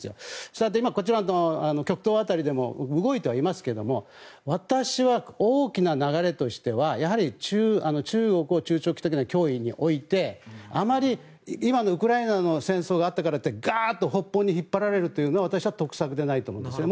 したがってこちらの極東辺りでも動いてはいますが私は大きな流れとしてはやはり中国を中長期的には脅威に置いてあまり今のウクライナの戦争があったからといってガッと北方に引っ張られるのは得策ではないと思いますね。